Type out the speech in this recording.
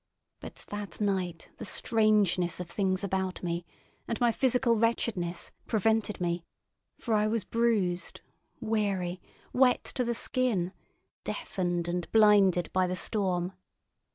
But that night the strangeness of things about me, and my physical wretchedness, prevented me, for I was bruised, weary, wet to the skin, deafened and blinded by the storm.